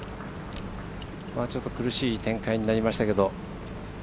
ちょっと苦しい展開になりましたけど。